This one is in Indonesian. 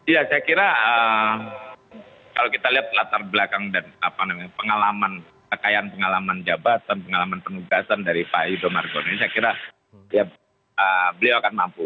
ya saya kira kalau kita lihat latar belakang dan pengalaman kekayaan pengalaman jabatan pengalaman penugasan dari pak yudho margono saya kira ya beliau akan mampu